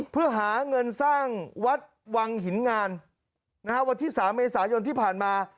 เพื่อหาเงินสร้างวัดวังหินงานวันที่๓เมษายนที่ผ่านมา